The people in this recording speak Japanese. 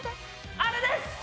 あれです！